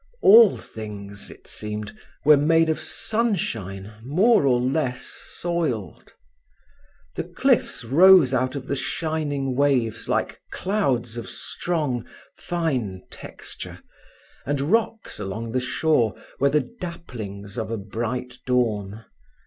All things, it seemed, were made of sunshine more or less soiled. The cliffs rose out of the shining waves like clouds of strong, fine texture, and rocks along the shore were the dapplings of a bright dawn.